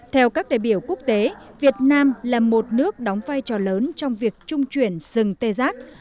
theo các đại biểu quốc tế việt nam là một nước đóng vai trò lớn trong việc trung chuyển sừng tê giác